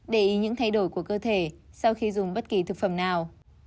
để ý những thay đổi của cơ thể sau khi dùng bất kỳ thực phẩm nào